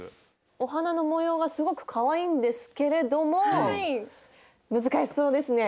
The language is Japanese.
お花の模様がすごくかわいいんですけれども難しそうですね？